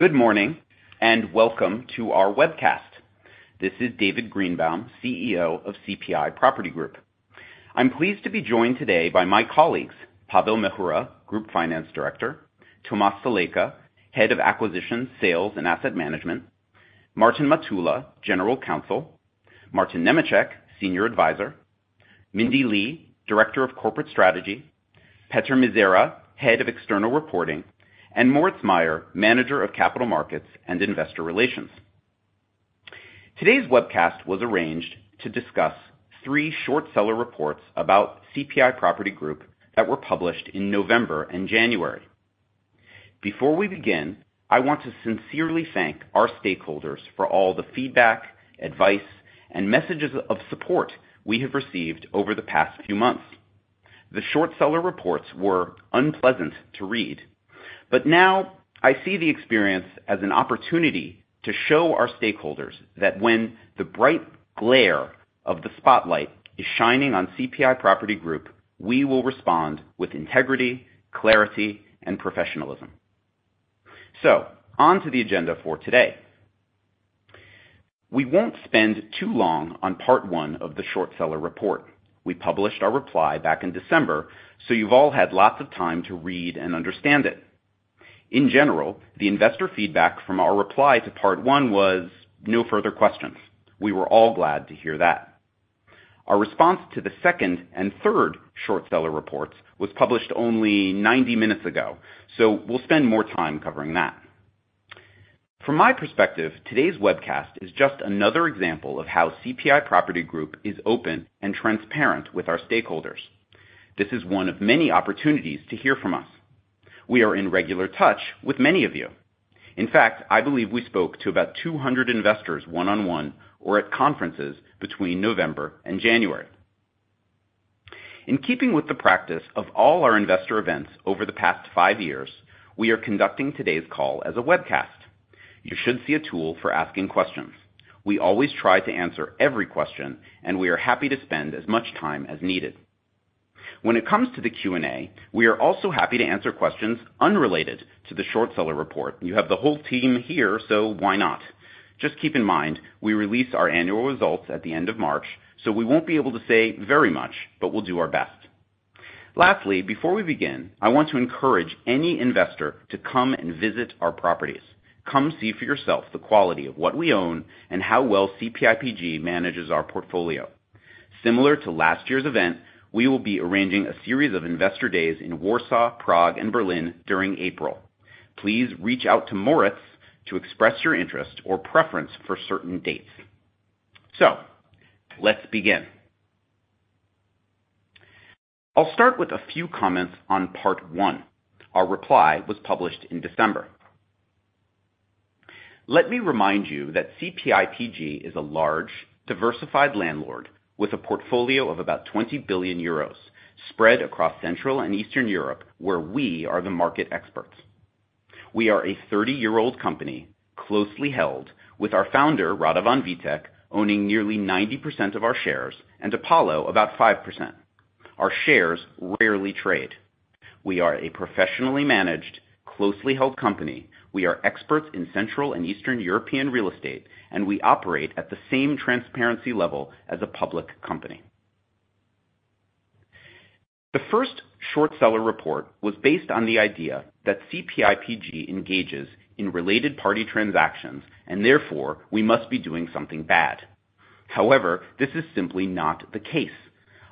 Good morning, and welcome to our webcast. This is David Greenbaum, CEO of CPI Property Group. I'm pleased to be joined today by my colleagues, Pavel Měchura, Group Finance Director, Tomáš Salajka, Head of Acquisitions, Sales, and Asset Management, Martin Matula, General Counsel, Martin Němeček, Senior Advisor, Mindee Lee, Director of Corporate Strategy, Petr Mizera, Head of External Reporting, and Moritz Mayer, Manager of Capital Markets and Investor Relations. Today's webcast was arranged to discuss three short seller reports about CPI Property Group that were published in November and January. Before we begin, I want to sincerely thank our stakeholders for all the feedback, advice, and messages of support we have received over the past few months. The short seller reports were unpleasant to read, but now I see the experience as an opportunity to show our stakeholders that when the bright glare of the spotlight is shining on CPI Property Group, we will respond with integrity, clarity, and professionalism. So onto the agenda for today. We won't spend too long on part one of the short seller report. We published our reply back in December, so you've all had lots of time to read and understand it. In general, the investor feedback from our reply to part one was no further questions. We were all glad to hear that. Our response to the second and third short seller reports was published only 90 minutes ago, so we'll spend more time covering that. From my perspective, today's webcast is just another example of how CPI Property Group is open and transparent with our stakeholders. This is one of many opportunities to hear from us. We are in regular touch with many of you. In fact, I believe we spoke to about 200 investors one-on-one or at conferences between November and January. In keeping with the practice of all our investor events over the past five years, we are conducting today's call as a webcast. You should see a tool for asking questions. We always try to answer every question, and we are happy to spend as much time as needed. When it comes to the Q&A, we are also happy to answer questions unrelated to the short seller report. You have the whole team here, so why not? Just keep in mind, we release our annual results at the end of March, so we won't be able to say very much, but we'll do our best. Lastly, before we begin, I want to encourage any investor to come and visit our properties. Come see for yourself the quality of what we own and how well CPIPG manages our portfolio. Similar to last year's event, we will be arranging a series of investor days in Warsaw, Prague, and Berlin during April. Please reach out to Moritz to express your interest or preference for certain dates. So let's begin. I'll start with a few comments on part one. Our reply was published in December. Let me remind you that CPIPG is a large, diversified landlord with a portfolio of about 20 billion euros spread across Central and Eastern Europe, where we are the market experts. We are a 30-year-old company, closely held, with our founder, Radovan Vítek, owning nearly 90% of our shares and Apollo about 5%. Our shares rarely trade. We are a professionally managed, closely held company. We are experts in Central and Eastern European real estate, and we operate at the same transparency level as a public company. The first short seller report was based on the idea that CPIPG engages in related party transactions and therefore we must be doing something bad. However, this is simply not the case.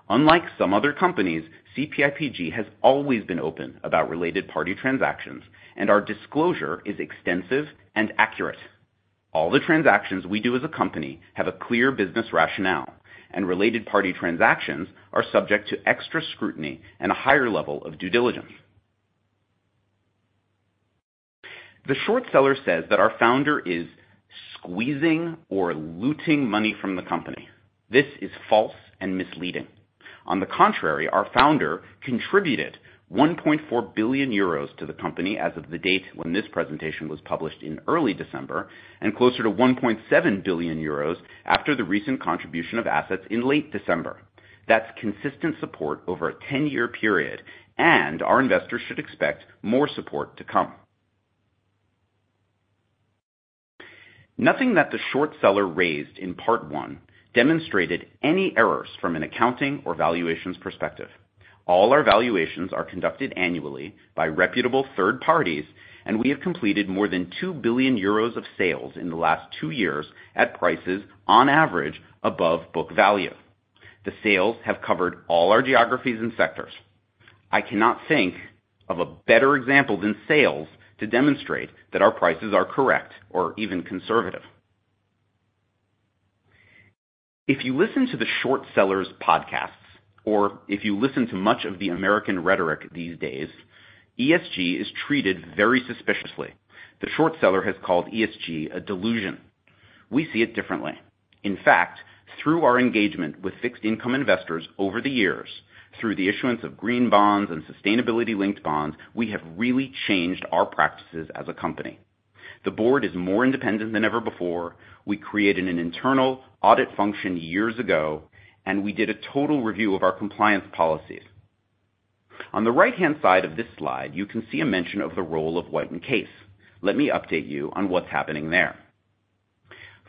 Unlike some other companies, CPIPG has always been open about related party transactions, and our disclosure is extensive and accurate. All the transactions we do as a company have a clear business rationale, and related party transactions are subject to extra scrutiny and a higher level of due diligence. The short seller says that our founder is squeezing or looting money from the company. This is false and misleading. On the contrary, our founder contributed 1.4 billion euros to the company as of the date when this presentation was published in early December, and closer to 1.7 billion euros after the recent contribution of assets in late December. That's consistent support over a 10-year period, and our investors should expect more support to come. Nothing that the short seller raised in part one demonstrated any errors from an accounting or valuations perspective. All our valuations are conducted annually by reputable third parties, and we have completed more than 2 billion euros of sales in the last two years at prices, on average, above book value. The sales have covered all our geographies and sectors. I cannot think of a better example than sales to demonstrate that our prices are correct or even conservative. If you listen to the short sellers podcasts, or if you listen to much of the American rhetoric these days, ESG is treated very suspiciously. The short seller has called ESG a delusion. We see it differently. In fact, through our engagement with fixed income investors over the years, through the issuance of green bonds and sustainability-linked bonds, we have really changed our practices as a company. The board is more independent than ever before. We created an internal audit function years ago, and we did a total review of our compliance policies.... On the right-hand side of this slide, you can see a mention of the role of White & Case. Let me update you on what's happening there.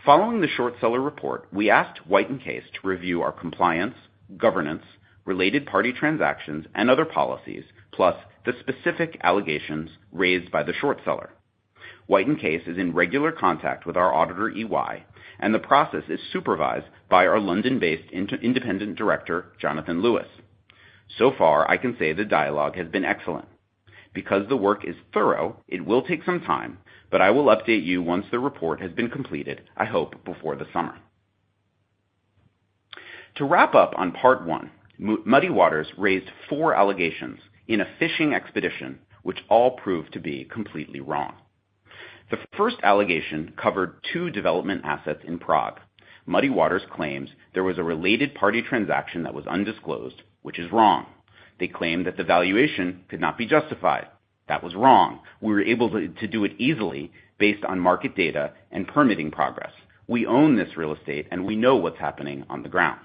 Following the short seller report, we asked White & Case to review our compliance, governance, related party transactions, and other policies, plus the specific allegations raised by the short seller. White & Case is in regular contact with our auditor, EY, and the process is supervised by our London-based independent director, Jonathan Lewis. So far, I can say the dialogue has been excellent. Because the work is thorough, it will take some time, but I will update you once the report has been completed, I hope before the summer. To wrap up on part one, Muddy Waters raised four allegations in a fishing expedition, which all proved to be completely wrong. The first allegation covered two development assets in Prague. Muddy Waters claims there was a related party transaction that was undisclosed, which is wrong. They claimed that the valuation could not be justified. That was wrong. We were able to to do it easily based on market data and permitting progress. We own this real estate, and we know what's happening on the ground.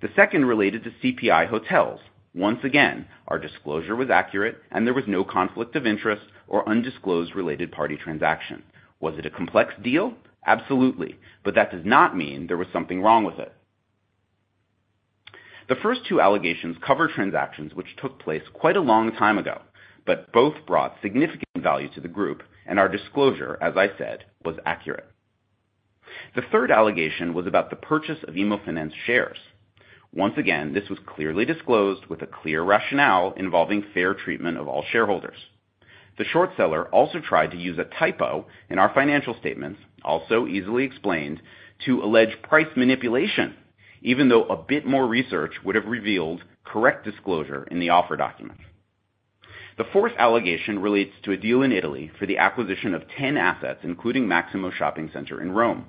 The second related to CPI Hotels. Once again, our disclosure was accurate, and there was no conflict of interest or undisclosed related party transaction. Was it a complex deal? Absolutely, but that does not mean there was something wrong with it. The first two allegations cover transactions which took place quite a long time ago, but both brought significant value to the group, and our disclosure, as I said, was accurate. The third allegation was about the purchase of IMMOFINANZ shares. Once again, this was clearly disclosed with a clear rationale involving fair treatment of all shareholders. The short seller also tried to use a typo in our financial statements, also easily explained, to allege price manipulation, even though a bit more research would have revealed correct disclosure in the offer document. The fourth allegation relates to a deal in Italy for the acquisition of 10 assets, including Maximo Shopping Center in Rome.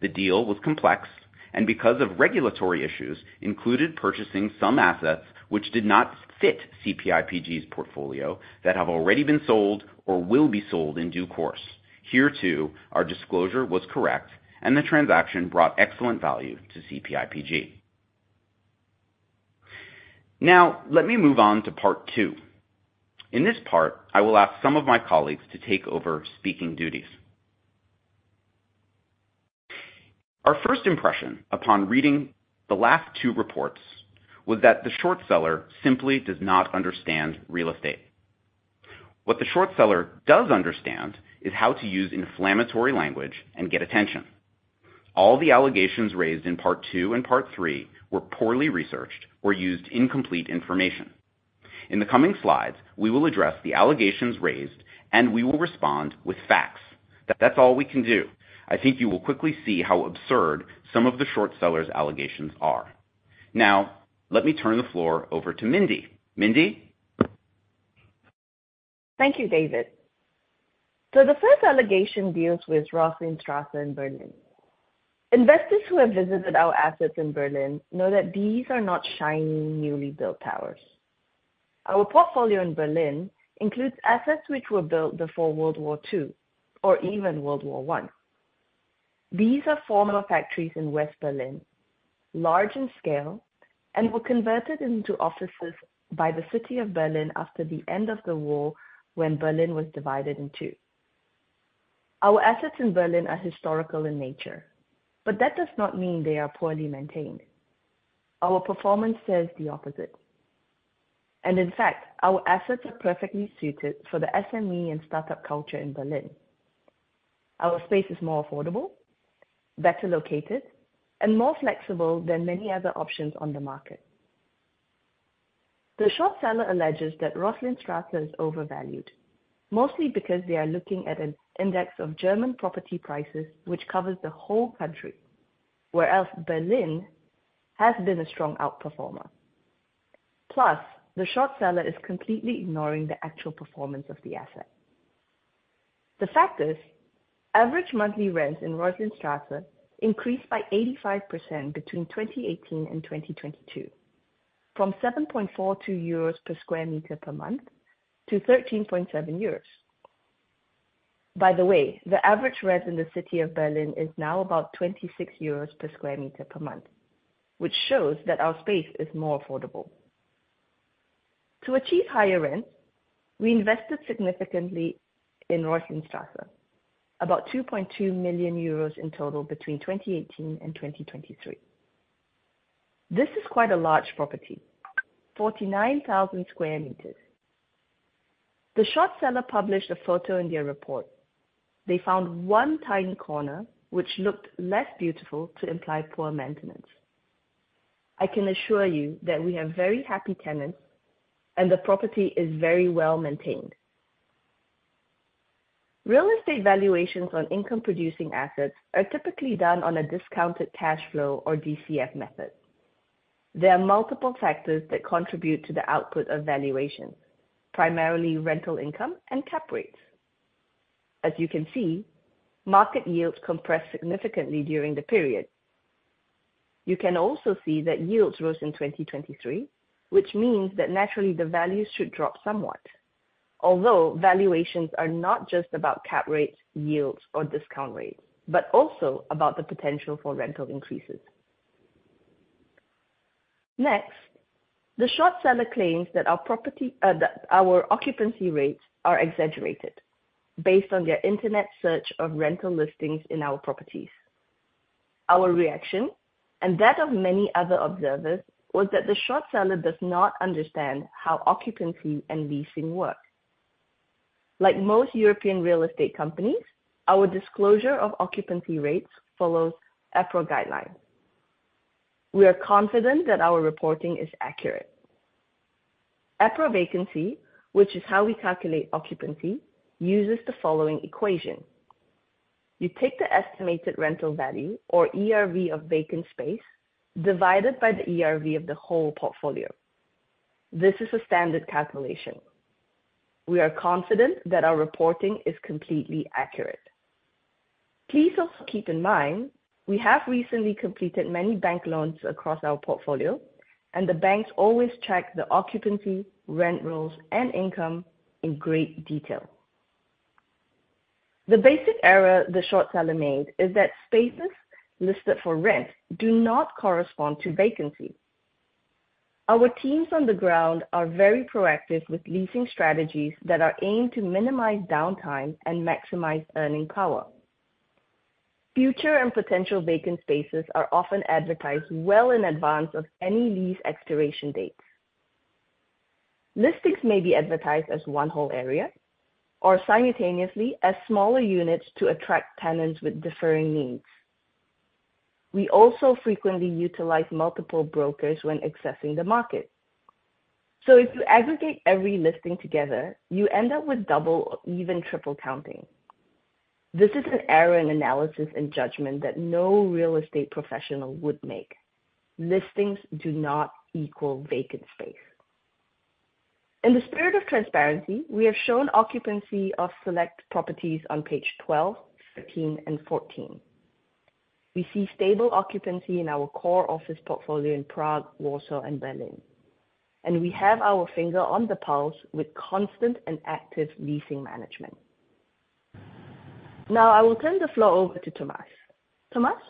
The deal was complex, and because of regulatory issues, included purchasing some assets which did not fit CPIPG's portfolio that have already been sold or will be sold in due course. Here, too, our disclosure was correct, and the transaction brought excellent value to CPIPG. Now, let me move on to part two. In this part, I will ask some of my colleagues to take over speaking duties. Our first impression upon reading the last two reports was that the short seller simply does not understand real estate. What the short seller does understand is how to use inflammatory language and get attention. All the allegations raised in part two and part three were poorly researched or used incomplete information. In the coming slides, we will address the allegations raised, and we will respond with facts. That's all we can do. I think you will quickly see how absurd some of the short seller's allegations are. Now, let me turn the floor over to Mindy. Mindy? Thank you, David. So the first allegation deals with Reuchlinstraße in Berlin. Investors who have visited our assets in Berlin know that these are not shiny, newly built towers. Our portfolio in Berlin includes assets which were built before World War II or even World War I. These are former factories in West Berlin, large in scale, and were converted into offices by the city of Berlin after the end of the war, when Berlin was divided in two. Our assets in Berlin are historical in nature, but that does not mean they are poorly maintained. Our performance says the opposite, and in fact, our assets are perfectly suited for the SME and start-up culture in Berlin. Our space is more affordable, better located, and more flexible than many other options on the market. The short seller alleges that Reuchlinstraße is overvalued, mostly because they are looking at an index of German property prices, which covers the whole country, whereas Berlin has been a strong outperformer. Plus, the short seller is completely ignoring the actual performance of the asset. The fact is, average monthly rents in Reuchlinstraße increased by 85% between 2018 and 2022, from 7.42 euros per square meter per month to 13.7 euros. By the way, the average rent in the city of Berlin is now about 26 euros per square meter per month, which shows that our space is more affordable. To achieve higher rents, we invested significantly in Reuchlinstraße, about 2.2 million euros in total between 2018 and 2023. This is quite a large property, 49,000 square meters. The short seller published a photo in their report. They found one tiny corner which looked less beautiful to imply poor maintenance. I can assure you that we have very happy tenants, and the property is very well maintained. Real estate valuations on income-producing assets are typically done on a discounted cash flow or DCF method. There are multiple factors that contribute to the output of valuations, primarily rental income and cap rates. As you can see, market yields compressed significantly during the period. You can also see that yields rose in 2023, which means that naturally the values should drop somewhat.... Although valuations are not just about cap rates, yields, or discount rates, but also about the potential for rental increases. Next, the short seller claims that our property, that our occupancy rates are exaggerated based on their internet search of rental listings in our properties. Our reaction, and that of many other observers, was that the short seller does not understand how occupancy and leasing work. Like most European real estate companies, our disclosure of occupancy rates follows EPRA guidelines. We are confident that our reporting is accurate. EPRA vacancy, which is how we calculate occupancy, uses the following equation: You take the estimated rental value or ERV of vacant space, divided by the ERV of the whole portfolio. This is a standard calculation. We are confident that our reporting is completely accurate. Please also keep in mind, we have recently completed many bank loans across our portfolio, and the banks always check the occupancy, rent rolls, and income in great detail. The basic error the short seller made is that spaces listed for rent do not correspond to vacancy. Our teams on the ground are very proactive with leasing strategies that are aimed to minimize downtime and maximize earning power. Future and potential vacant spaces are often advertised well in advance of any lease expiration dates. Listings may be advertised as one whole area or simultaneously as smaller units to attract tenants with differing needs. We also frequently utilize multiple brokers when accessing the market. So if you aggregate every listing together, you end up with double, even triple counting. This is an error in analysis and judgment that no real estate professional would make. Listings do not equal vacant space. In the spirit of transparency, we have shown occupancy of select properties on page 12, 13, and 14. We see stable occupancy in our core office portfolio in Prague, Warsaw, and Berlin, and we have our finger on the pulse with constant and active leasing management. Now, I will turn the floor over to Tomáš. Tomáš?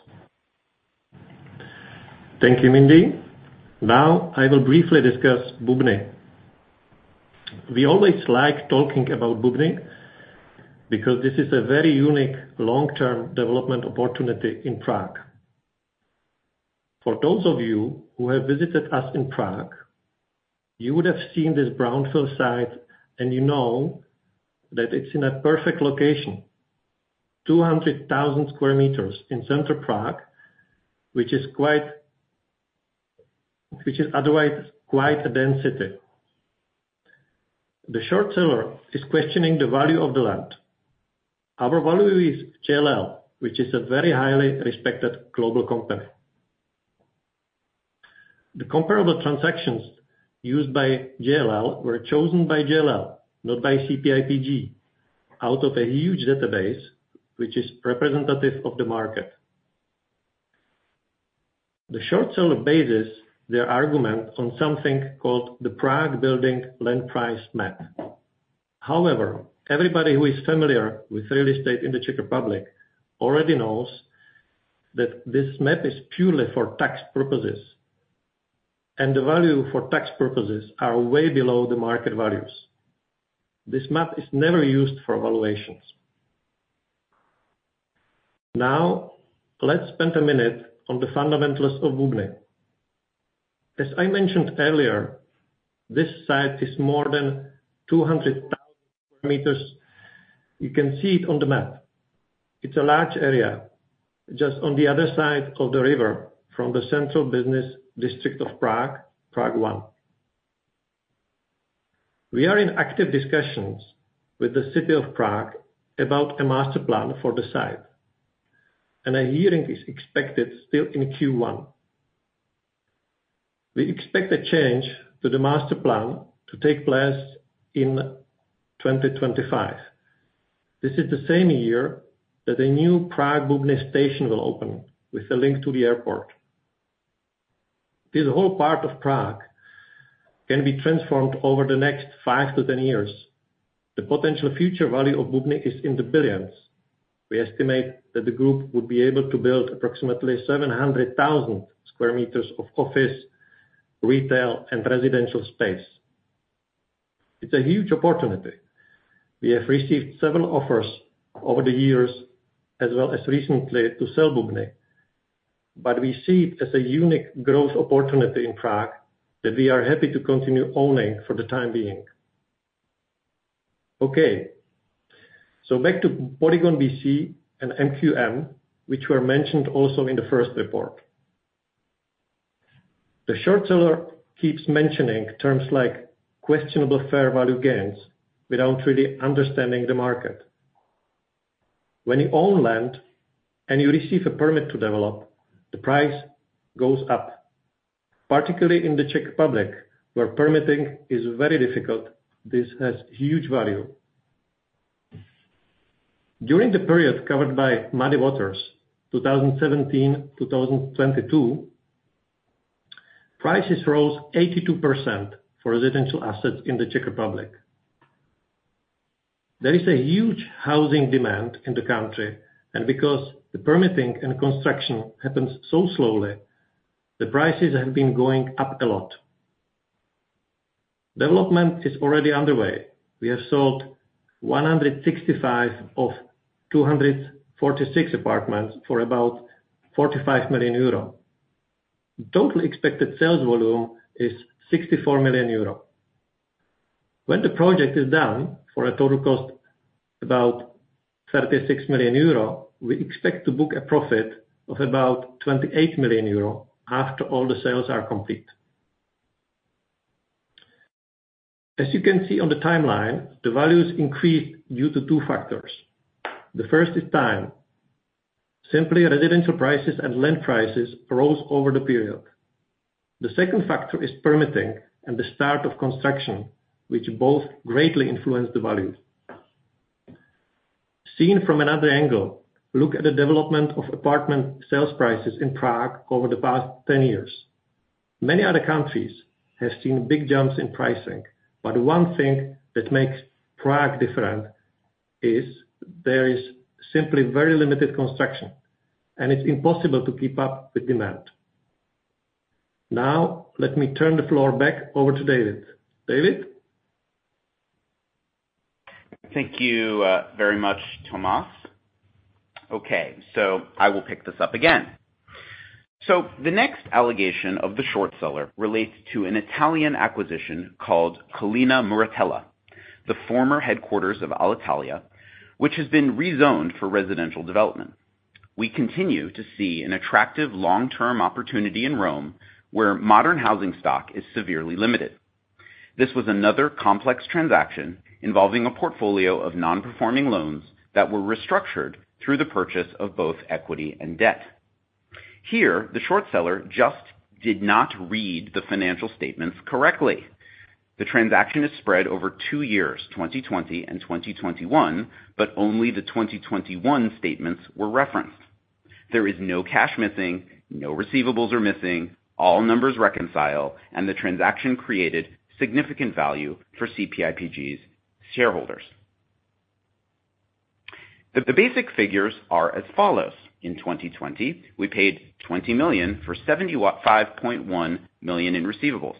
Thank you, Mindy. Now, I will briefly discuss Bubny. We always like talking about Bubny because this is a very unique long-term development opportunity in Prague. For those of you who have visited us in Prague, you would have seen this brownfield site, and you know that it's in a perfect location, 200,000 square meters in central Prague, which is otherwise quite dense. The short seller is questioning the value of the land. Our value is JLL, which is a very highly respected global company. The comparable transactions used by JLL were chosen by JLL, not by CPIPG, out of a huge database, which is representative of the market. The short seller bases their argument on something called the Prague Building Land Price Map. However, everybody who is familiar with real estate in the Czech Republic already knows that this map is purely for tax purposes, and the value for tax purposes are way below the market values. This map is never used for valuations. Now, let's spend a minute on the fundamentals of Bubny. As I mentioned earlier, this site is more than 200,000 square meters. You can see it on the map. It's a large area, just on the other side of the river from the central business district of Prague, Prague 1. We are in active discussions with the City of Prague about a master plan for the site, and a hearing is expected still in Q1. We expect a change to the master plan to take place in 2025. This is the same year that a new Prague Bubny station will open with a link to the airport. This whole part of Prague can be transformed over the next five to10 years. The potential future value of Bubny is in the billions. We estimate that the group would be able to build approximately 700,000 square meters of office, retail, and residential space. It's a huge opportunity. We have received several offers over the years, as well as recently, to sell Bubny, but we see it as a unique growth opportunity in Prague that we are happy to continue owning for the time being. Okay, so back to Polygon BC and MQM, which were mentioned also in the first report. The short seller keeps mentioning terms like questionable fair value gains without really understanding the market. When you own land and you receive a permit to develop, the price goes up, particularly in the Czech Republic, where permitting is very difficult. This has huge value.... During the period covered by Muddy Waters, 2017, 2022, prices rose 82% for residential assets in the Czech Republic. There is a huge housing demand in the country, and because the permitting and construction happens so slowly, the prices have been going up a lot. Development is already underway. We have sold 165 of 246 apartments for about 45 million euro. The total expected sales volume is 64 million euro. When the project is done for a total cost, about 36 million euro, we expect to book a profit of about 28 million euro after all the sales are complete. As you can see on the timeline, the values increased due to two factors. The first is time. Simply, residential prices and land prices rose over the period. The second factor is permitting and the start of construction, which both greatly influence the values. Seen from another angle, look at the development of apartment sales prices in Prague over the past 10 years. Many other countries have seen big jumps in pricing, but one thing that makes Prague different is there is simply very limited construction, and it's impossible to keep up with demand. Now, let me turn the floor back over to David. David? Thank you, very much, Tomáš. Okay, so I will pick this up again. So the next allegation of the short seller relates to an Italian acquisition called Collina Muratella, the former headquarters of Alitalia, which has been rezoned for residential development. We continue to see an attractive long-term opportunity in Rome, where modern housing stock is severely limited. This was another complex transaction involving a portfolio of non-performing loans that were restructured through the purchase of both equity and debt. Here, the short seller just did not read the financial statements correctly. The transaction is spread over two years, 2020 and 2021, but only the 2021 statements were referenced. There is no cash missing, no receivables are missing, all numbers reconcile, and the transaction created significant value for CPIPG's shareholders. The basic figures are as follows: In 2020, we paid 20 million for 75.1 million in receivables.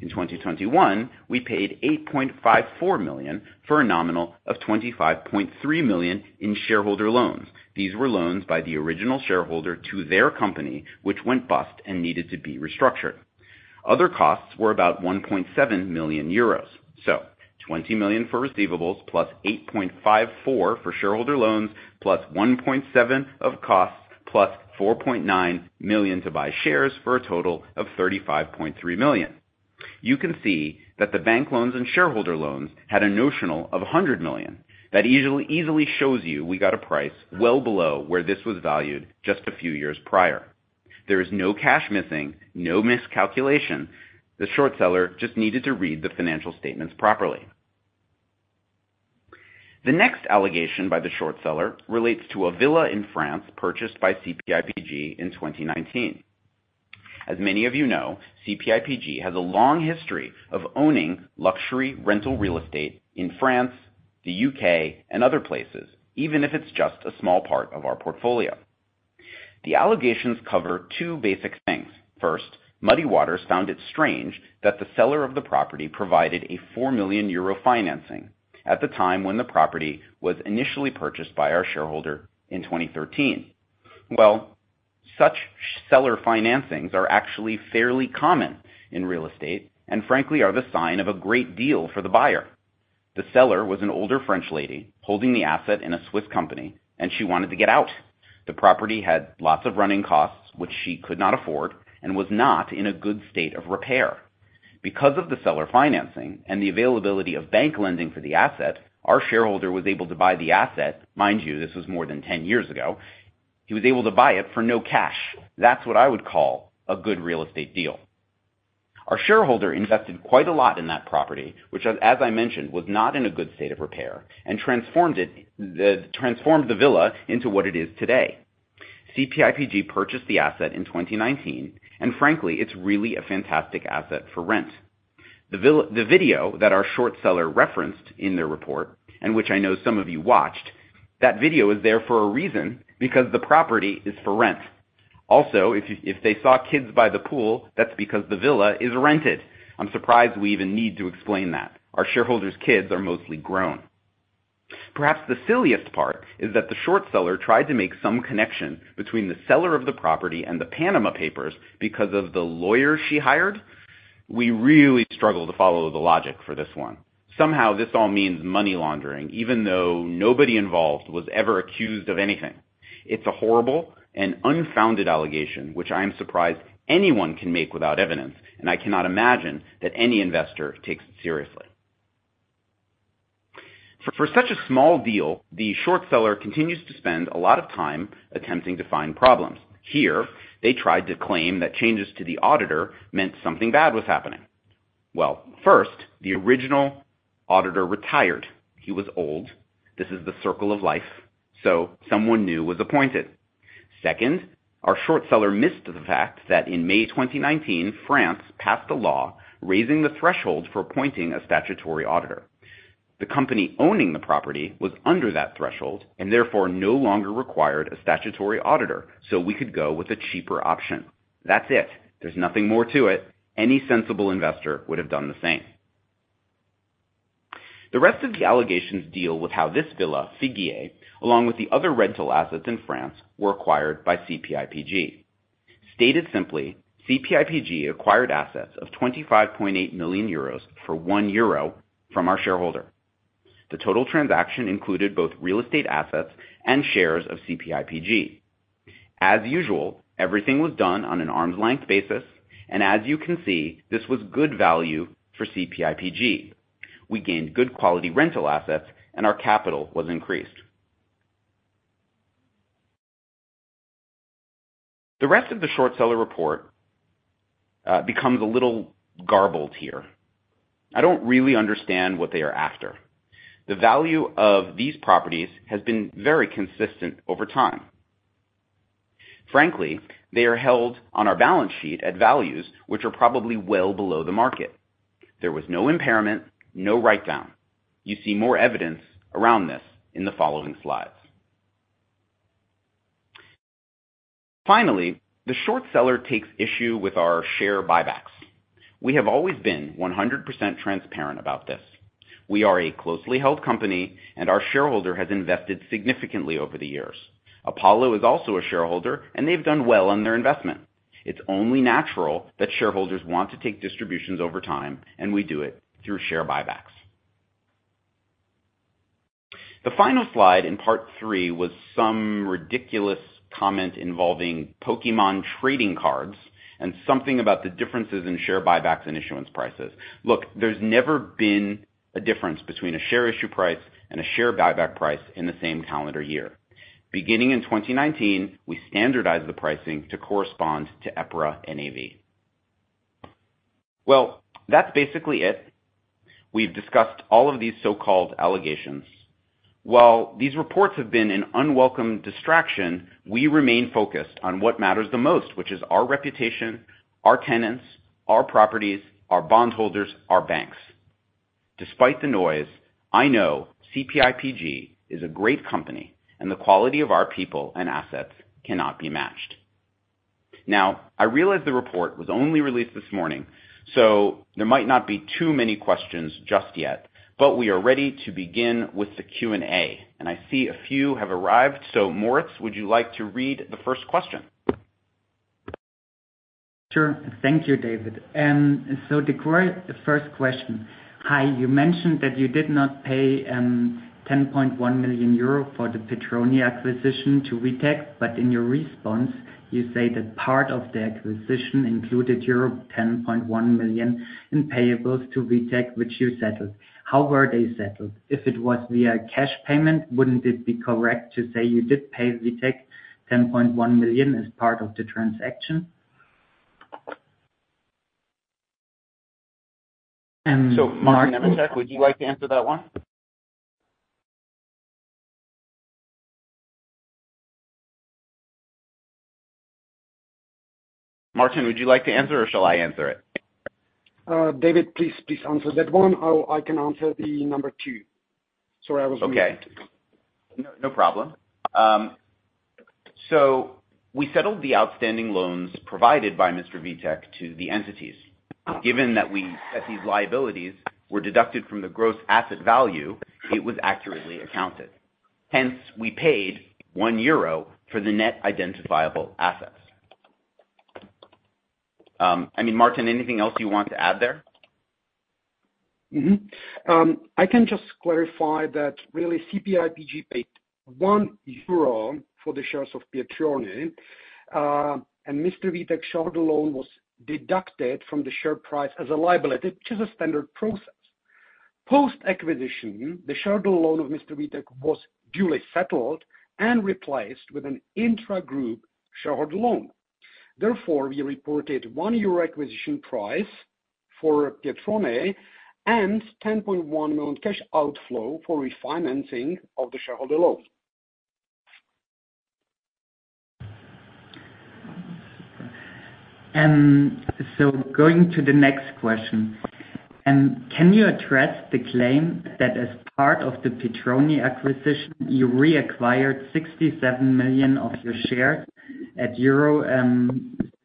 In 2021, we paid 8.54 million for a nominal of 25.3 million in shareholder loans. These were loans by the original shareholder to their company, which went bust and needed to be restructured. Other costs were about 1.7 million euros. So 20 million for receivables, plus 8.54 for shareholder loans, plus 1.7 of costs, plus 4.9 million to buy shares for a total of 35.3 million. You can see that the bank loans and shareholder loans had a notional of 100 million. That easily, easily shows you we got a price well below where this was valued just a few years prior. There is no cash missing, no miscalculation. The short seller just needed to read the financial statements properly. The next allegation by the short seller relates to a villa in France purchased by CPIPG in 2019. As many of you know, CPIPG has a long history of owning luxury rental real estate in France, the UK, and other places, even if it's just a small part of our portfolio. The allegations cover two basic things. First, Muddy Waters found it strange that the seller of the property provided a 4 million euro financing at the time when the property was initially purchased by our shareholder in 2013. Well, such seller financings are actually fairly common in real estate, and frankly, are the sign of a great deal for the buyer. The seller was an older French lady holding the asset in a Swiss company, and she wanted to get out. The property had lots of running costs, which she could not afford, and was not in a good state of repair. Because of the seller financing and the availability of bank lending for the asset, our shareholder was able to buy the asset. Mind you, this was more than 10 years ago. He was able to buy it for no cash. That's what I would call a good real estate deal. Our shareholder invested quite a lot in that property, which, as I mentioned, was not in a good state of repair, and transformed it, transformed the villa into what it is today. CPIPG purchased the asset in 2019, and frankly, it's really a fantastic asset for rent. The video that our short seller referenced in their report, and which I know some of you watched, that video is there for a reason, because the property is for rent. Also, if you, if they saw kids by the pool, that's because the villa is rented. I'm surprised we even need to explain that. Our shareholder's kids are mostly grown. Perhaps the silliest part is that the short seller tried to make some connection between the seller of the property and the Panama papers because of the lawyer she hired. We really struggle to follow the logic for this one. Somehow, this all means money laundering, even though nobody involved was ever accused of anything. It's a horrible and unfounded allegation, which I am surprised anyone can make without evidence, and I cannot imagine that any investor takes it seriously. For such a small deal, the short seller continues to spend a lot of time attempting to find problems. Here, they tried to claim that changes to the auditor meant something bad was happening. Well, first, the original auditor retired. He was old. This is the circle of life, so someone new was appointed. Second, our short seller missed the fact that in May 2019, France passed a law raising the threshold for appointing a statutory auditor. The company owning the property was under that threshold and therefore no longer required a statutory auditor, so we could go with a cheaper option. That's it. There's nothing more to it. Any sensible investor would have done the same. The rest of the allegations deal with how this villa, Figuier, along with the other rental assets in France, were acquired by CPIPG. Stated simply, CPIPG acquired assets of 25.8 million euros for 1 euro from our shareholder. The total transaction included both real estate assets and shares of CPIPG. As usual, everything was done on an arm's length basis, and as you can see, this was good value for CPIPG. We gained good quality rental assets, and our capital was increased. The rest of the short seller report becomes a little garbled here. I don't really understand what they are after. The value of these properties has been very consistent over time. Frankly, they are held on our balance sheet at values which are probably well below the market. There was no impairment, no write-down. You see more evidence around this in the following slides. Finally, the short seller takes issue with our share buybacks. We have always been 100% transparent about this. We are a closely held company, and our shareholder has invested significantly over the years. Apollo is also a shareholder, and they've done well on their investment. It's only natural that shareholders want to take distributions over time, and we do it through share buybacks. The final slide in part three was some ridiculous comment involving Pokémon trading cards and something about the differences in share buybacks and issuance prices. Look, there's never been a difference between a share issue price and a share buyback price in the same calendar year. Beginning in 2019, we standardized the pricing to correspond to EPRA NAV. Well, that's basically it. We've discussed all of these so-called allegations. While these reports have been an unwelcome distraction, we remain focused on what matters the most, which is our reputation, our tenants, our properties, our bondholders, our banks. Despite the noise, I know CPIPG is a great company, and the quality of our people and assets cannot be matched. Now, I realize the report was only released this morning, so there might not be too many questions just yet, but we are ready to begin with the Q&A, and I see a few have arrived. So, Moritz, would you like to read the first question? Sure. Thank you, David. So the first question: Hi, you mentioned that you did not pay 10.1 million euro for the Pietroni acquisition to Vitek, but in your response, you say that part of the acquisition included your 10.1 million in payables to Vitek, which you settled. How were they settled? If it was via cash payment, wouldn't it be correct to say you did pay Vitek 10.1 million as part of the transaction? Martin Němeček, would you like to answer that one? Martin, would you like to answer, or shall I answer it? David, please, please answer that one. I can answer the number two. Sorry, I was muted. Okay. No, no problem. So we settled the outstanding loans provided by Mr. Vítek to the entities. Given that we, that these liabilities were deducted from the gross asset value, it was accurately accounted. Hence, we paid 1 euro for the net identifiable assets. I mean, Martin, anything else you want to add there? Mm-hmm. I can just clarify that really, CPIPG paid 1 euro for the shares of Pietroni, and Mr. Vítek's shareholder loan was deducted from the share price as a liability, which is a standard process. Post-acquisition, the shareholder loan of Mr. Vítek was duly settled and replaced with an intra-group shareholder loan. Therefore, we reported 1 euro acquisition price for Pietroni and 10.1 million cash outflow for refinancing of the shareholder loan. Going to the next question. Can you address the claim that as part of the Pietroni acquisition, you reacquired 67 million of your shares at euro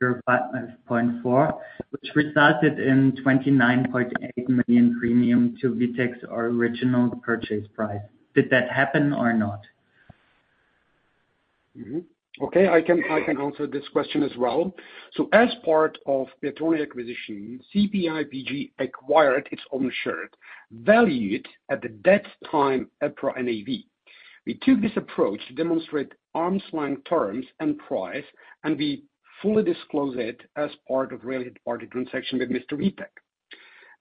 0.54, which resulted in 29.8 million premium to Vítek's original purchase price? Did that happen or not? Mm-hmm. Okay, I can, I can answer this question as well. So as part of Pietroni acquisition, CPIPG acquired its own share, valued at the debt time, EPRA NAV. We took this approach to demonstrate arm's length terms and price, and we fully disclose it as part of related party transaction with Mr. Vítek.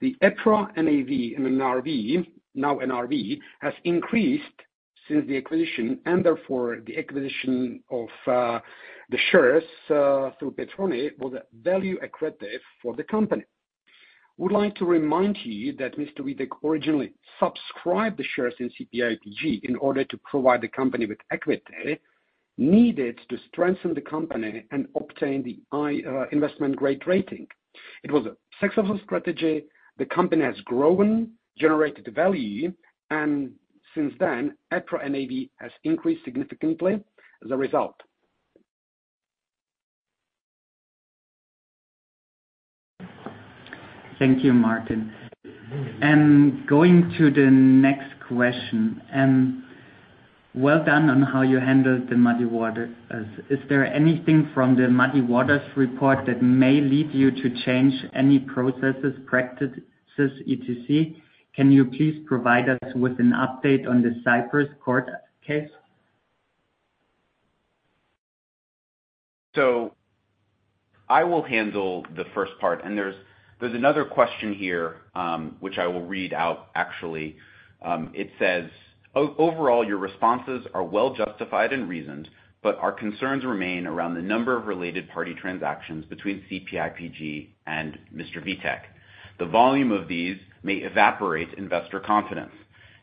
The EPRA NAV and NRV, now NRV, has increased- ... since the acquisition, and therefore, the acquisition of, the shares, through Pietroni was value accretive for the company. Would like to remind you that Mr. Vítek originally subscribed the shares in CPIPG in order to provide the company with equity, needed to strengthen the company and obtain the investment grade rating. It was a successful strategy. The company has grown, generated value, and since then, EPRA NAV has increased significantly as a result. Thank you, Martin. Going to the next question, well done on how you handled the Muddy Waters. Is there anything from the Muddy Waters report that may lead you to change any processes, practices, etc.? Can you please provide us with an update on the Cyprus court case? So I will handle the first part, and there's another question here, which I will read out, actually. It says, "Overall, your responses are well justified and reasoned, but our concerns remain around the number of related party transactions between CPIPG and Mr. Vítek. The volume of these may evaporate investor confidence.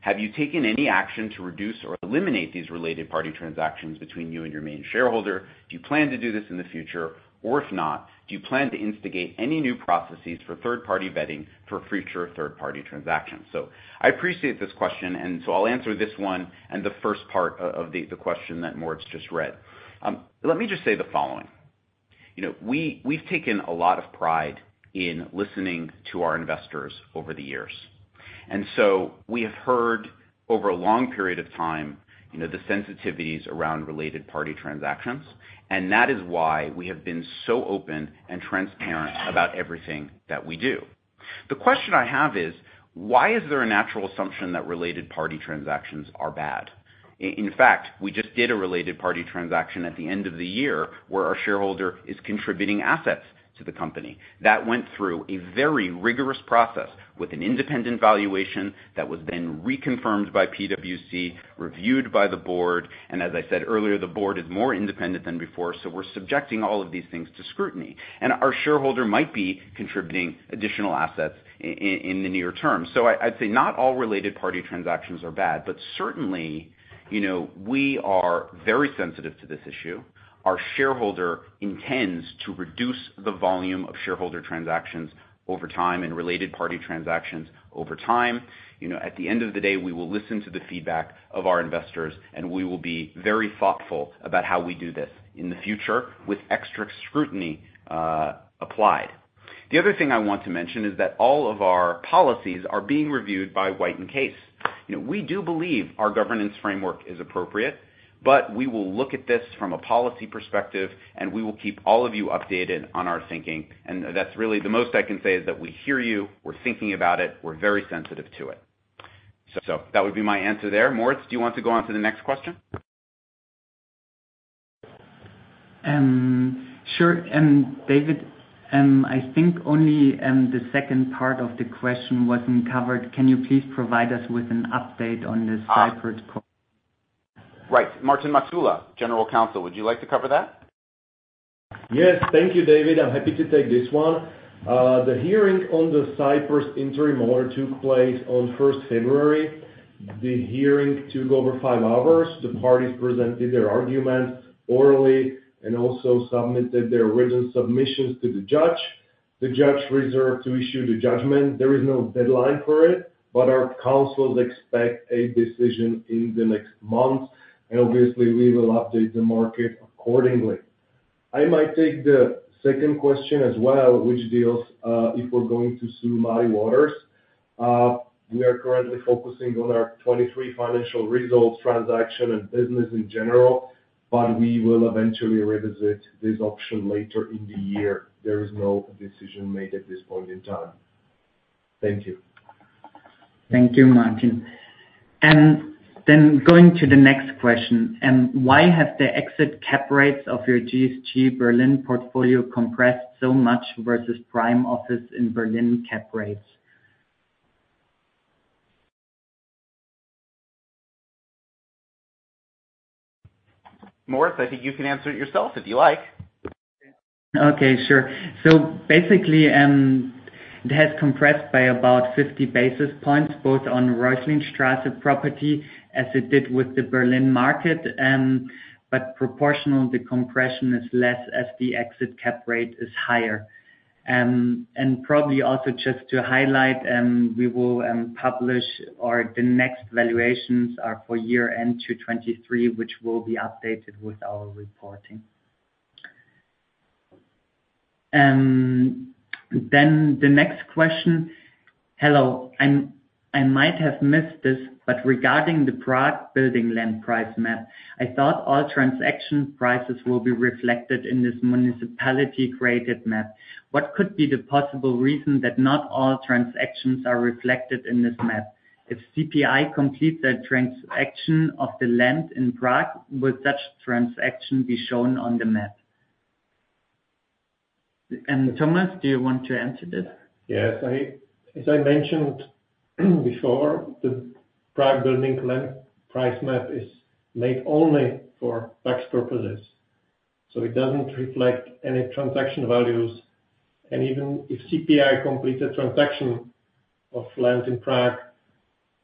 Have you taken any action to reduce or eliminate these related party transactions between you and your main shareholder? Do you plan to do this in the future? Or if not, do you plan to instigate any new processes for third-party vetting for future third-party transactions?" So I appreciate this question, and so I'll answer this one and the first part of the question that Moritz just read. Let me just say the following: You know, we, we've taken a lot of pride in listening to our investors over the years, and so we have heard over a long period of time, you know, the sensitivities around related party transactions, and that is why we have been so open and transparent about everything that we do. The question I have is, why is there a natural assumption that related party transactions are bad? In fact, we just did a related party transaction at the end of the year, where our shareholder is contributing assets to the company. That went through a very rigorous process with an independent valuation that was then reconfirmed by PwC, reviewed by the board, and as I said earlier, the board is more independent than before, so we're subjecting all of these things to scrutiny. And our shareholder might be contributing additional assets in the near term. So I'd say not all related party transactions are bad, but certainly, you know, we are very sensitive to this issue. Our shareholder intends to reduce the volume of shareholder transactions over time and related party transactions over time. You know, at the end of the day, we will listen to the feedback of our investors, and we will be very thoughtful about how we do this in the future with extra scrutiny applied. The other thing I want to mention is that all of our policies are being reviewed by White & Case. You know, we do believe our governance framework is appropriate, but we will look at this from a policy perspective, and we will keep all of you updated on our thinking. That's really the most I can say, is that we hear you, we're thinking about it, we're very sensitive to it. So, so that would be my answer there. Moritz, do you want to go on to the next question? Sure. David, I think only the second part of the question wasn't covered. Can you please provide us with an update on the Cyprus co- Ah! Right. Martin Matula, General Counsel, would you like to cover that? Yes. Thank you, David. I'm happy to take this one. The hearing on the Cyprus interim order took place on 1st February. The hearing took over five hours. The parties presented their arguments orally and also submitted their written submissions to the judge. The judge reserved to issue the judgment. There is no deadline for it, but our counsels expect a decision in the next month, and obviously, we will update the market accordingly. I might take the second question as well, which deals if we're going to sue Muddy Waters. We are currently focusing on our 2023 financial results, transaction and business in general, but we will eventually revisit this option later in the year. There is no decision made at this point in time. Thank you. Thank you, Martin. And then going to the next question, why have the exit cap rates of your GSG Berlin portfolio compressed so much versus prime office in Berlin cap rates? Moritz, I think you can answer it yourself if you like. Okay, sure. So basically, it has compressed by about 50 basis points, both on Reuchlinstraße property, as it did with the Berlin market, but proportional, the compression is less as the exit cap rate is higher. And probably also just to highlight, we will publish or the next valuations are for year-end 2023, which will be updated with our reporting. Then the next question: Hello, and I might have missed this, but regarding the Prague building land price map, I thought all transaction prices will be reflected in this municipality-created map. What could be the possible reason that not all transactions are reflected in this map? If CPI completes the transaction of the land in Prague, will such transaction be shown on the map?... And Tomáš, do you want to answer this? Yes, I, as I mentioned before, the Prague building land price map is made only for tax purposes, so it doesn't reflect any transaction values. Even if CPI completed transaction of land in Prague,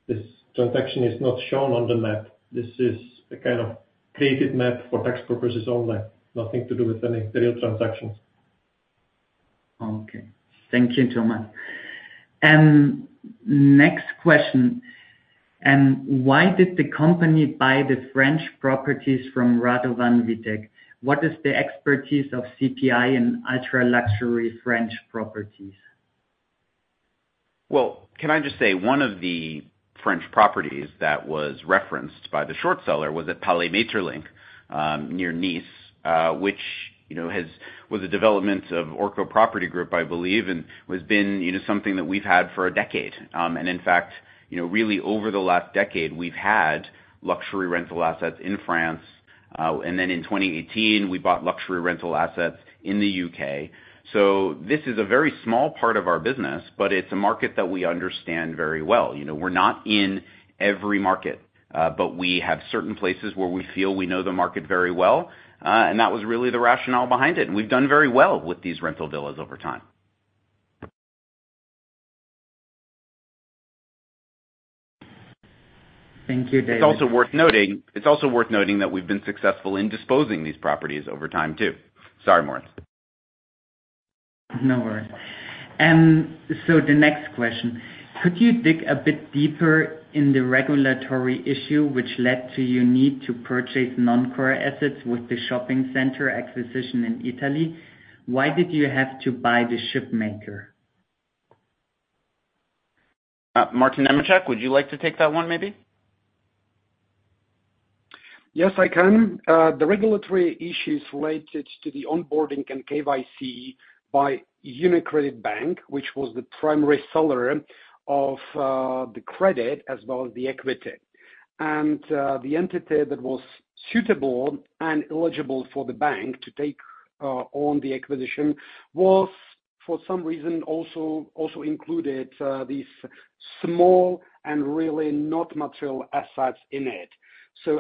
this transaction is not shown on the map. This is a kind of created map for tax purposes only, nothing to do with any real transactions. Okay. Thank you, Tomáš. Next question, and why did the company buy the French properties from Radovan Vítek? What is the expertise of CPI in ultra-luxury French properties? Well, can I just say one of the French properties that was referenced by the short seller was at Palais Maeterlinck, near Nice, which, you know, has, was a development of Orco Property Group, I believe, and has been, you know, something that we've had for a decade. And in fact, you know, really over the last decade, we've had luxury rental assets in France. And then in 2018, we bought luxury rental assets in the UK. So this is a very small part of our business, but it's a market that we understand very well. You know, we're not in every market, but we have certain places where we feel we know the market very well. And that was really the rationale behind it, and we've done very well with these rental villas over time. Thank you, David. It's also worth noting that we've been successful in disposing these properties over time, too. Sorry, Moritz. No worries. So the next question: Could you dig a bit deeper in the regulatory issue, which led to your need to purchase non-core assets with the shopping center acquisition in Italy? Why did you have to buy the shipmaker? Martin Němeček, would you like to take that one, maybe? Yes, I can. The regulatory issues related to the onboarding and KYC by UniCredit Bank, which was the primary seller of the credit, as well as the equity. The entity that was suitable and eligible for the bank to take on the acquisition was, for some reason, also included these small and really not material assets in it.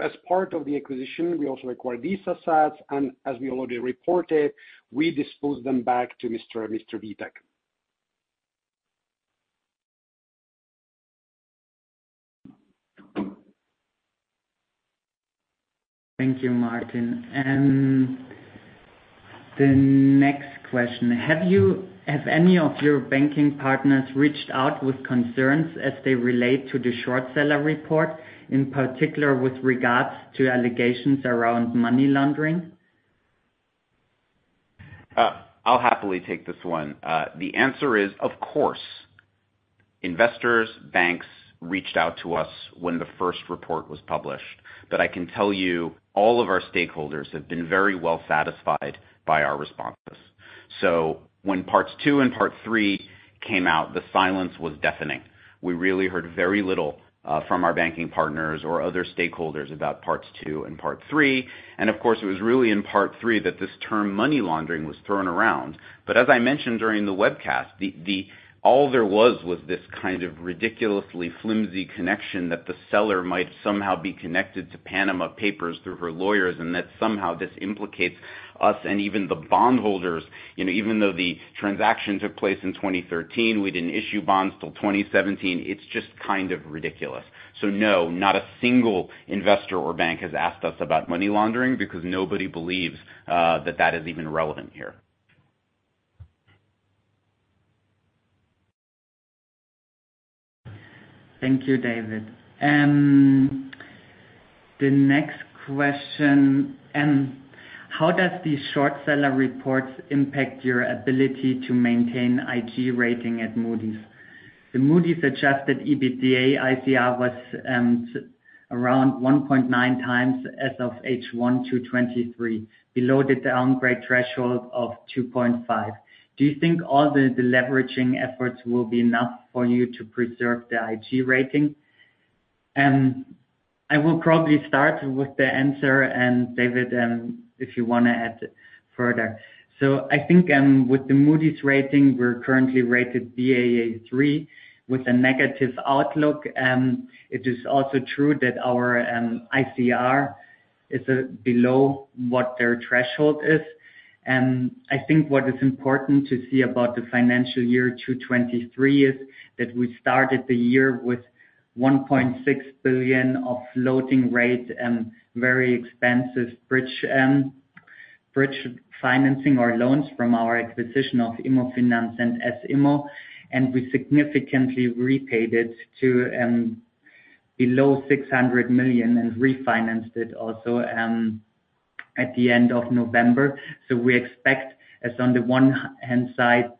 As part of the acquisition, we also acquired these assets, and as we already reported, we disposed them back to Mr. Vítek. Thank you, Martin. The next question: Have any of your banking partners reached out with concerns as they relate to the short seller report, in particular, with regards to allegations around money laundering? I'll happily take this one. The answer is, of course, investors, banks reached out to us when the first report was published. But I can tell you, all of our stakeholders have been very well satisfied by our responses. So when parts two and part three came out, the silence was deafening. We really heard very little, from our banking partners or other stakeholders about parts two and part three. And of course, it was really in part three that this term, money laundering, was thrown around. But as I mentioned during the webcast, all there was, was this kind of ridiculously flimsy connection that the seller might somehow be connected to Panama Papers through her lawyers, and that somehow this implicates us and even the bondholders. You know, even though the transaction took place in 2013, we didn't issue bonds till 2017. It's just kind of ridiculous. So no, not a single investor or bank has asked us about money laundering because nobody believes that that is even relevant here. Thank you, David. The next question: How does these short seller reports impact your ability to maintain IG rating at Moody's? The Moody's adjusted EBITDA, ICR was around 1.9x as of H1 2023, below the downgrade threshold of 2.5. Do you think all the deleveraging efforts will be enough for you to preserve the IG rating? I will probably start with the answer, and David, if you want to add further. So I think, with the Moody's rating, we're currently rated Baa3, with a negative outlook. It is also true that our ICR is below what their threshold is. I think what is important to see about the financial year 2023 is that we started the year with 1.6 billion of floating rates and very expensive bridge financing or loans from our acquisition of IMMOFINANZ and S IMMO, and we significantly repaid it to below 600 million and refinanced it also at the end of November. So we expect, as on the one hand side,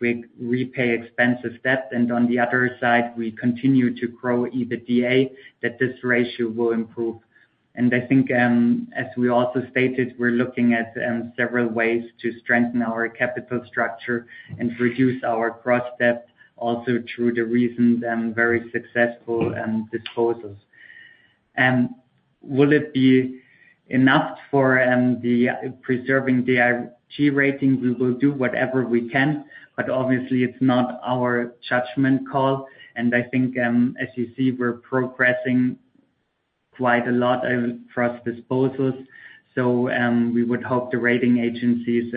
we repay expensive debt, and on the other side, we continue to grow EBITDA, that this ratio will improve. I think, as we also stated, we're looking at several ways to strengthen our capital structure and reduce our cost of debt, also through the recent and very successful disposals. Will it be enough for preserving the IG rating? We will do whatever we can, but obviously it's not our judgment call. And I think, as you see, we're progressing quite a lot across disposals. So, we would hope the rating agencies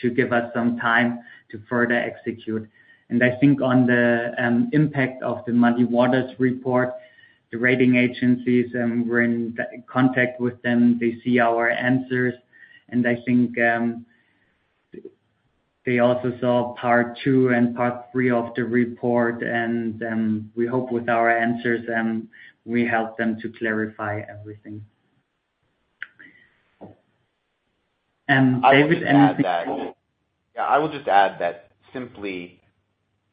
to give us some time to further execute. And I think on the impact of the Muddy Waters report, the rating agencies, we're in contact with them. They see our answers, and I think they also saw part two and part three of the report. And we hope with our answers we help them to clarify everything. David, anything- Yeah, I would just add that simply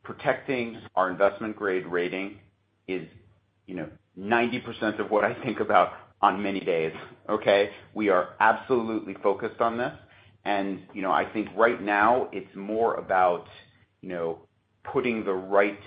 protecting our investment grade rating is, you know, 90% of what I think about on many days, okay? We are absolutely focused on this. And, you know, I think right now it's more about, you know, putting the right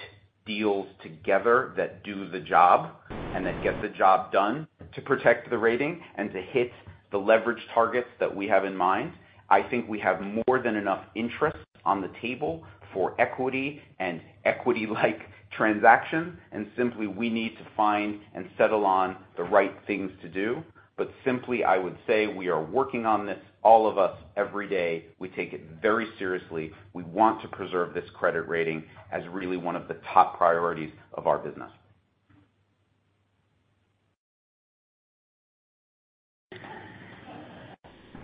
deals together that do the job and that get the job done to protect the rating and to hit the leverage targets that we have in mind. I think we have more than enough interest on the table for equity and equity-like transactions, and simply we need to find and settle on the right things to do. But simply, I would say, we are working on this, all of us, every day. We take it very seriously. We want to preserve this credit rating as really one of the top priorities of our business.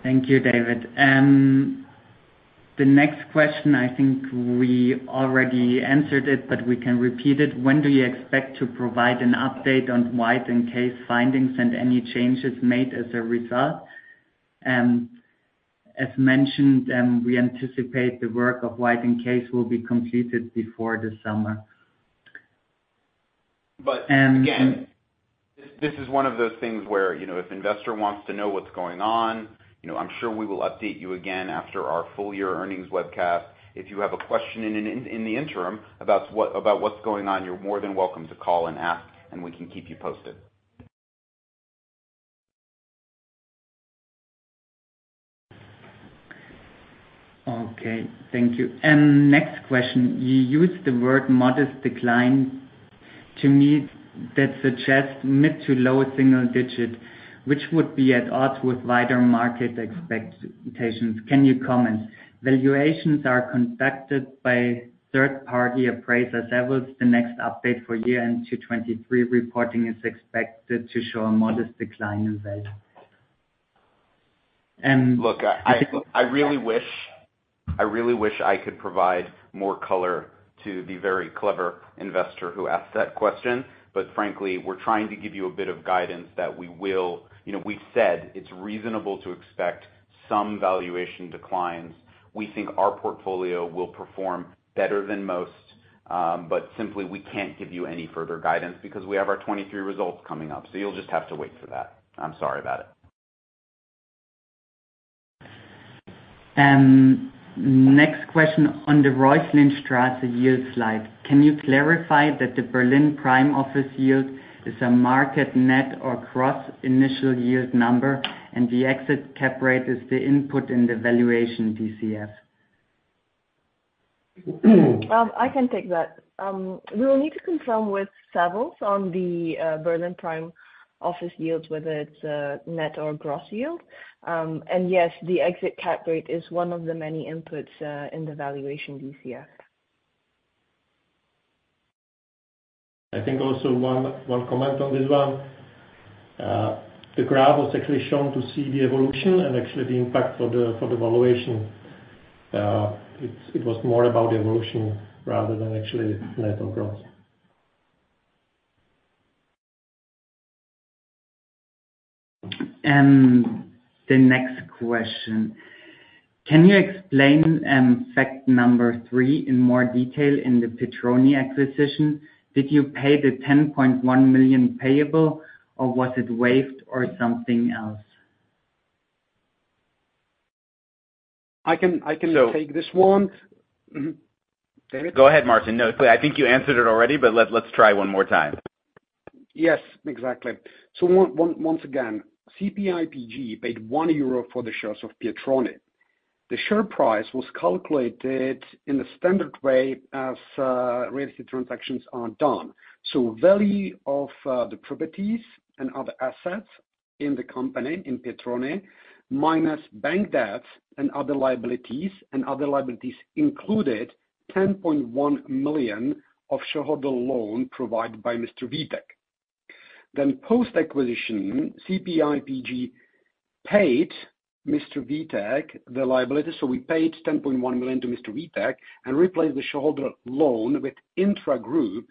Thank you, David. The next question, I think we already answered it, but we can repeat it: When do you expect to provide an update on White & Case findings and any changes made as a result? And as mentioned, we anticipate the work of White & Case will be completed before the summer. But again, this is one of those things where, you know, if an investor wants to know what's going on, you know, I'm sure we will update you again after our full year earnings webcast. If you have a question in the interim about what's going on, you're more than welcome to call and ask, and we can keep you posted. Okay, thank you. And next question: You used the word modest decline. To me, that suggests mid- to low-single-digit, which would be at odds with wider market expectations. Can you comment? Valuations are conducted by third-party appraisers. That was the next update for year-end 2023, reporting is expected to show a modest decline in value. And- Look, I really wish I could provide more color to the very clever investor who asked that question. But frankly, we're trying to give you a bit of guidance that we will... You know, we've said it's reasonable to expect some valuation declines. We think our portfolio will perform better than most, but simply we can't give you any further guidance because we have our 2023 results coming up, so you'll just have to wait for that. I'm sorry about it. Next question. On the Reuchlinstraße yield slide, can you clarify that the Berlin prime office yield is a market net or gross initial yield number, and the exit cap rate is the input in the valuation DCF? I can take that. We will need to confirm with Savills on the Berlin prime office yields, whether it's net or gross yield. And yes, the exit cap rate is one of the many inputs in the valuation DCF. I think also one comment on this one. The graph was actually shown to see the evolution and actually the impact for the valuation. It was more about the evolution rather than actually net or gross. The next question: Can you explain fact number three in more detail in the Pietroni acquisition? Did you pay the 10.1 million payable, or was it waived or something else? I can, I can take this one. Mm-hmm. Go ahead, Martin. No, I think you answered it already, but let's try one more time. Yes, exactly. So once again, CPIPG paid 1 euro for the shares of Pietroni. The share price was calculated in the standard way as related transactions are done. So value of the properties and other assets in the company, in Pietroni, minus bank debts and other liabilities, and other liabilities included 10.1 million of shareholder loan provided by Mr. Vítek. Then post-acquisition, CPIPG paid Mr. Vítek the liability, so we paid 10.1 million to Mr. Vítek and replaced the shareholder loan with intragroup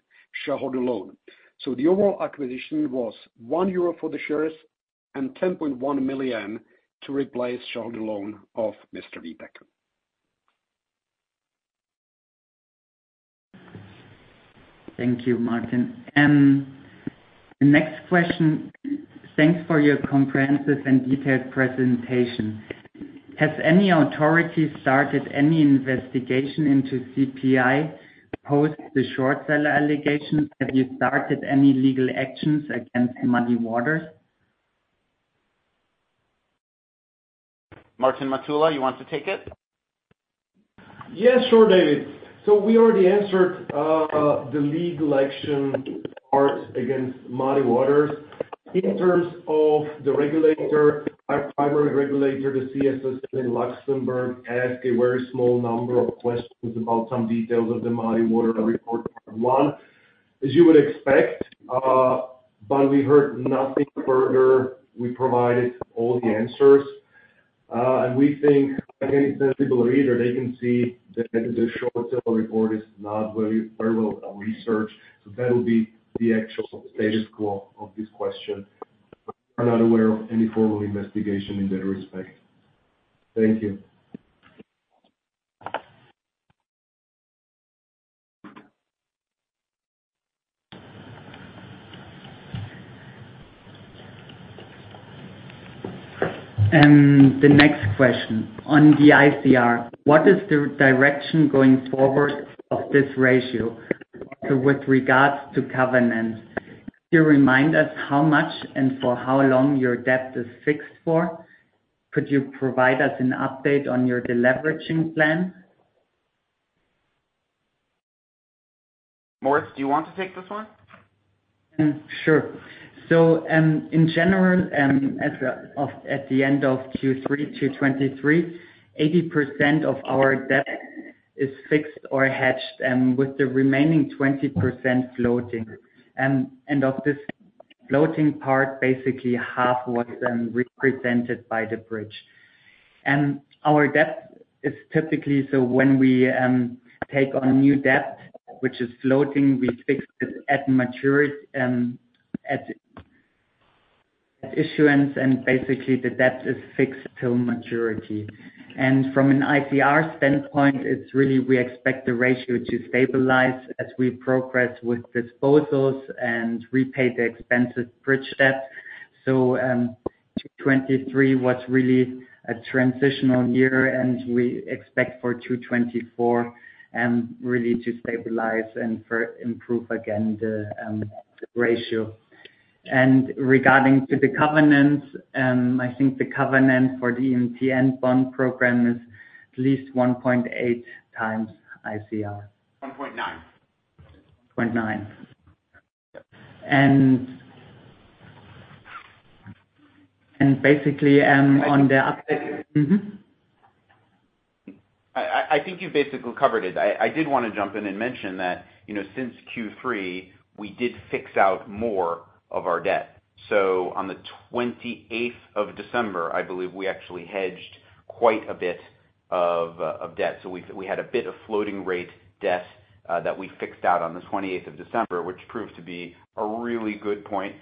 shareholder loan. So the overall acquisition was 1 euro for the shares and 10.1 million to replace shareholder loan of Mr. Vítek. Thank you, Martin. The next question: Thanks for your comprehensive and detailed presentation.... Has any authority started any investigation into CPI post the short seller allegations? Have you started any legal actions against Muddy Waters? Martin Matula, you want to take it? Yes, sure, David. We already answered the legal action part against Muddy Waters. In terms of the regulator, our primary regulator, the CSSF in Luxembourg, asked a very small number of questions about some details of the Muddy Waters report, as you would expect, but we heard nothing further. We provided all the answers. We think any sensible reader, they can see that the short seller report is not very well researched. That will be the actual status quo of this question. We're not aware of any formal investigation in that respect. Thank you. The next question. On the ICR, what is the direction going forward of this ratio with regards to covenants? Can you remind us how much and for how long your debt is fixed for? Could you provide us an update on your deleveraging plan? Moritz, do you want to take this one? Sure. So, in general, as of at the end of Q3 2023, 80% of our debt is fixed or hedged, with the remaining 20% floating. And of this floating part, basically half was represented by the bridge. Our debt is typically, so when we take on new debt, which is floating, we fix it at maturity, at issuance, and basically, the debt is fixed till maturity. And from an ICR standpoint, it's really we expect the ratio to stabilize as we progress with disposals and repay the expensive bridge debt. So, 2023 was really a transitional year, and we expect for 2024, really to stabilize and for improve again the ratio. Regarding to the covenants, I think the covenant for the EMTN bond program is at least 1.8 times ICR. 1.9. Point nine. And basically, on the update- Mm-hmm? I think you basically covered it. I did want to jump in and mention that, you know, since Q3, we did fix out more of our debt. So on the 28th of December, I believe we actually hedged quite a bit of debt. So we had a bit of floating rate debt that we fixed out on the twenty-eighth of December, which proved to be a really good point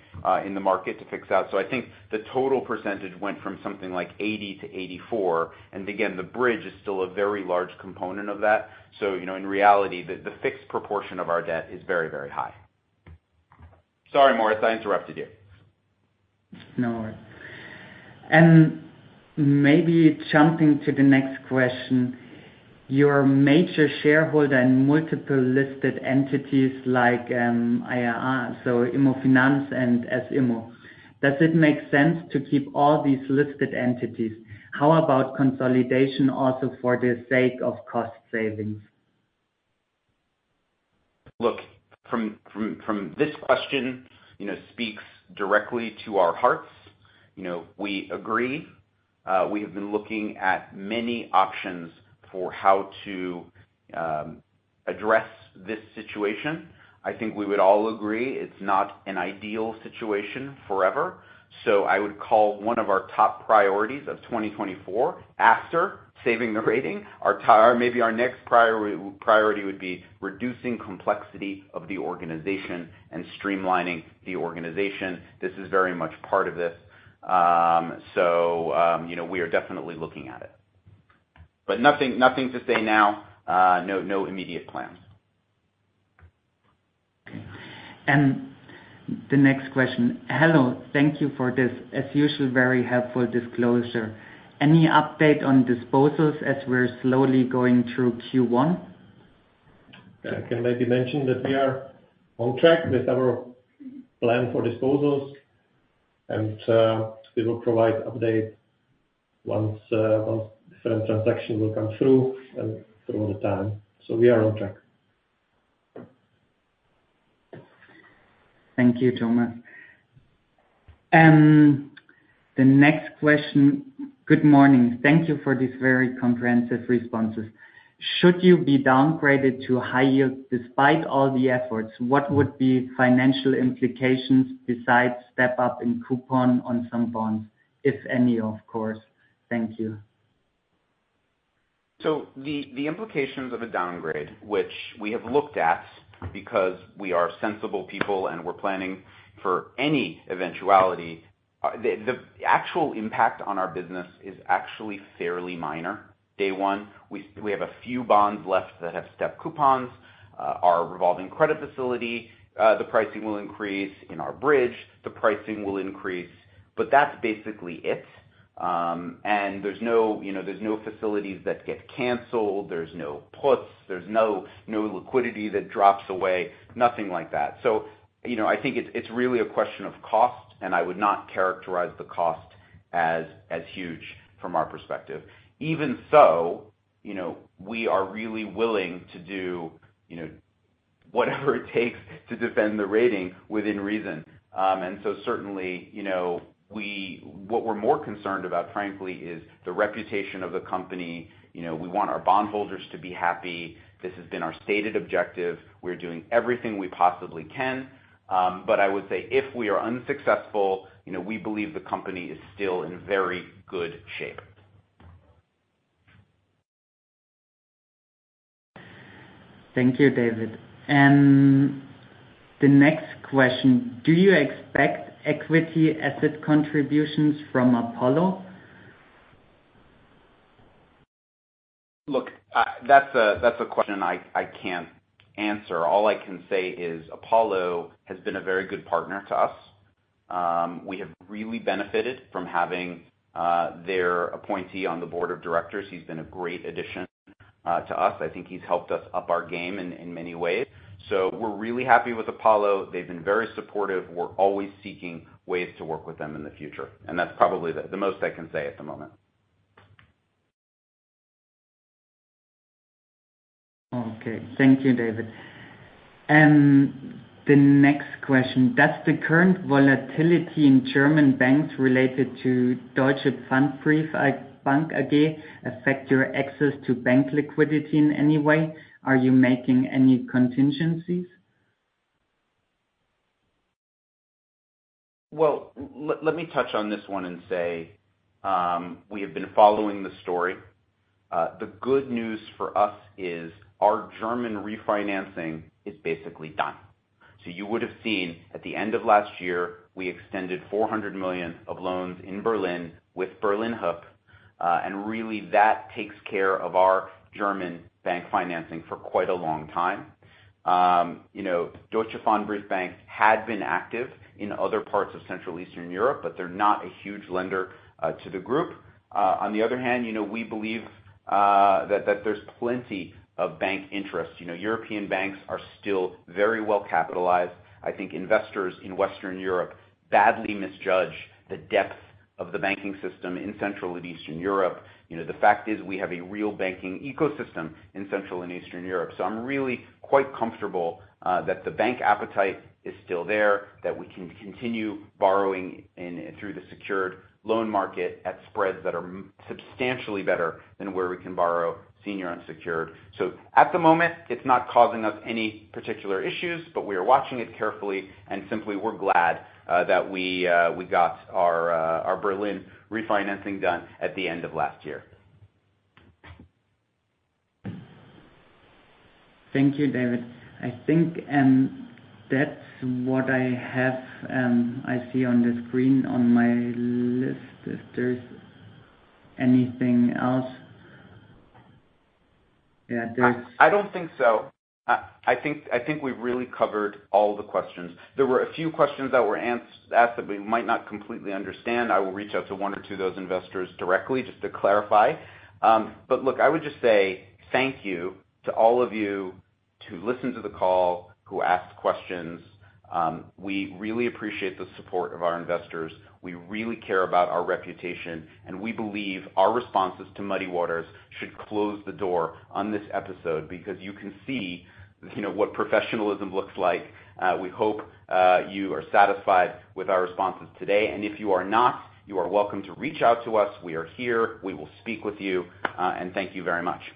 in the market to fix out. So I think the total percentage went from something like 80%-84%, and again, the bridge is still a very large component of that. So, you know, in reality, the fixed proportion of our debt is very, very high. Sorry, Moritz, I interrupted you. No worries. And maybe jumping to the next question: Your major shareholder and multiple listed entities like, IRR, so IMMOFINANZ and S IMMO. Does it make sense to keep all these listed entities? How about consolidation also for the sake of cost savings? Look, from this question, you know, speaks directly to our hearts. You know, we agree. We have been looking at many options for how to address this situation. I think we would all agree it's not an ideal situation forever. So I would call one of our top priorities of 2024, after saving the rating, our next priority would be reducing complexity of the organization and streamlining the organization. This is very much part of this. So, you know, we are definitely looking at it. But nothing to say now, no immediate plans. And the next question: Hello, thank you for this, as usual, very helpful disclosure. Any update on disposals as we're slowly going through Q1? I can maybe mention that we are on track with our plan for disposals, and we will provide update once once different transaction will come through and through the time. So we are on track. Thank you, Tomáš. The next question: Good morning. Thank you for these very comprehensive responses. Should you be downgraded to high yield despite all the efforts, what would be financial implications besides step up in coupon on some bonds, if any, of course? Thank you. So the implications of a downgrade, which we have looked at, because we are sensible people, and we're planning for any eventuality, the actual impact on our business is actually fairly minor, day one. We have a few bonds left that have step coupons, our revolving credit facility, the pricing will increase. In our bridge, the pricing will increase, but that's basically it. And there's no, you know, there's no facilities that get canceled, there's no puts, there's no liquidity that drops away, nothing like that. So, you know, I think it's really a question of cost, and I would not characterize the cost as huge from our perspective. Even so, you know, we are really willing to do, you know, whatever it takes to defend the rating within reason. And so certainly, you know, what we're more concerned about, frankly, is the reputation of the company. You know, we want our bondholders to be happy. This has been our stated objective. We're doing everything we possibly can. But I would say, if we are unsuccessful, you know, we believe the company is still in very good shape. Thank you, David. The next question: Do you expect equity asset contributions from Apollo? Look, that's a question I can't answer. All I can say is Apollo has been a very good partner to us. We have really benefited from having their appointee on the board of directors. He's been a great addition to us. I think he's helped us up our game in many ways. So we're really happy with Apollo. They've been very supportive. We're always seeking ways to work with them in the future, and that's probably the most I can say at the moment. Okay. Thank you, David. The next question: Does the current volatility in German banks related to Deutsche Pfandbriefbank AG affect your access to bank liquidity in any way? Are you making any contingencies? Well, let me touch on this one and say, we have been following the story. The good news for us is our German refinancing is basically done. So you would have seen at the end of last year, we extended 400 million of loans in Berlin with Berlin Hyp, and really that takes care of our German bank financing for quite a long time. You know, Deutsche Pfandbriefbank had been active in other parts of Central Eastern Europe, but they're not a huge lender to the group. On the other hand, you know, we believe that there's plenty of bank interest. You know, European banks are still very well capitalized. I think investors in Western Europe badly misjudge the depth of the banking system in Central and Eastern Europe. You know, the fact is, we have a real banking ecosystem in Central and Eastern Europe. So I'm really quite comfortable that the bank appetite is still there, that we can continue borrowing in through the secured loan market at spreads that are substantially better than where we can borrow senior unsecured. So at the moment, it's not causing us any particular issues, but we are watching it carefully, and simply, we're glad that we, we got our, our Berlin refinancing done at the end of last year. Thank you, David. I think that's what I have. I see on the screen on my list. If there's anything else... Yeah, there's- I don't think so. I think we've really covered all the questions. There were a few questions that were asked that we might not completely understand. I will reach out to one or two of those investors directly, just to clarify. But look, I would just say thank you to all of you who listened to the call, who asked questions. We really appreciate the support of our investors. We really care about our reputation, and we believe our responses to Muddy Waters should close the door on this episode, because you can see, you know, what professionalism looks like. We hope you are satisfied with our responses today, and if you are not, you are welcome to reach out to us. We are here. We will speak with you, and thank you very much.